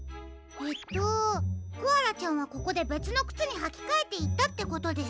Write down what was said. えっとコアラちゃんはここでべつのくつにはきかえていったってことですか？